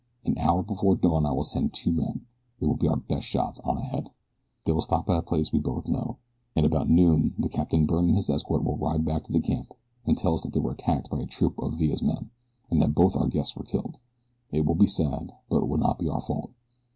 An hour before dawn I will send two men they will be our best shots on ahead. They will stop at a place we both know, and about noon the Captain Byrne and his escort will ride back to camp and tell us that they were attacked by a troop of Villa's men, and that both our guests were killed. It will be sad; but it will not be our fault.